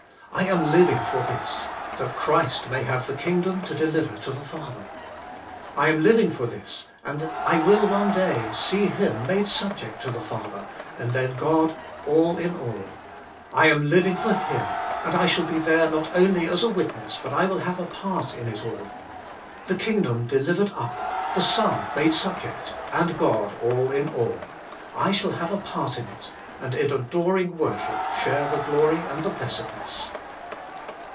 lam living for this: that Christ may have the Kingdom to deliver to the Father. I am liv ing for this, and I will one day see Him made subject to the Father, and then God all in all. I 170 THA T GOD MA V BE ALL LN ALL am living for Him, and I shall be there not only as a witness, but I will have a part in it all. The Kingdom delivered up, the Son made subject, and God all in all! I shall have a part in it, and in adoring worship share. the glory and the blessed ness.